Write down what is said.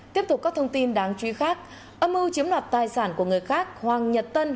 tiếp tục các thông tin đáng chú ý khác âm mưu chiếm đoạt tài sản của người khác hoàng nhật tân